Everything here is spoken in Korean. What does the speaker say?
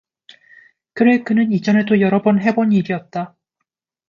그래 그는 이전에도 여러 번 해본 일이였다